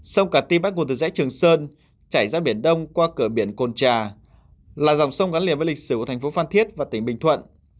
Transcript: sông cả ti bắt nguồn từ dãy trường sơn chảy ra biển đông qua cửa biển cồn trà là dòng sông gắn liền với lịch sử của thành phố phan thiết và tỉnh bình thuận